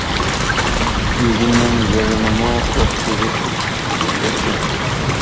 يۈزۈمنىڭ يېرىمىمۇ ئوق تېگىپ ئۇچۇپ كەتكەن.